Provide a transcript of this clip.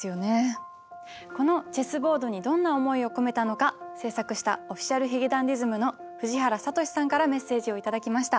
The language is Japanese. この「Ｃｈｅｓｓｂｏａｒｄ」にどんな思いを込めたのか制作したＯｆｆｉｃｉａｌ髭男ｄｉｓｍの藤原聡さんからメッセージを頂きました。